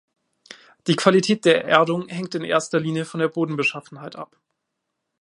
Die Qualität der Erdung hängt in erster Linie von der Bodenbeschaffenheit ab.